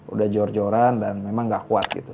udah jor joran dan memang gak kuat gitu